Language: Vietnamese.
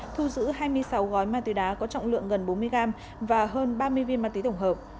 thu giữ hai mươi sáu gói ma túy đá có trọng lượng gần bốn mươi gram và hơn ba mươi viên ma túy tổng hợp